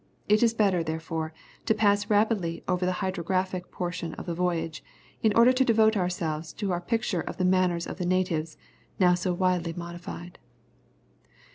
It is better, therefore, to pass rapidly over the hydrographic portion of the voyage, in order to devote ourselves to our picture of the manners of the natives, now so widely modified.